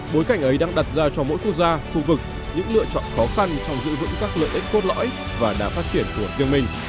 bối cảnh ấy đang đặt ra cho mỗi quốc gia khu vực những lựa chọn khó khăn trong giữ vững các lợi ích cốt lõi và đã phát triển của riêng mình